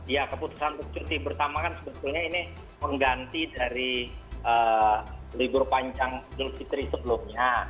ya keputusan cuti pertama kan sebetulnya ini mengganti dari libur panjang covid sembilan belas sebelumnya